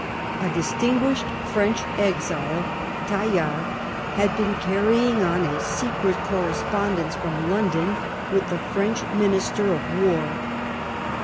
A distinguished French exile, Tallard, had been carrying on a secret correspondence from London with the French Minister of War.